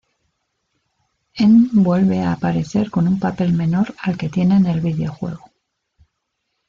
En vuelve a aparecer con un papel menor al que tiene en el videojuego.